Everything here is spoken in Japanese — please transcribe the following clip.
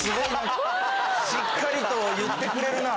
しっかりと言ってくれるな。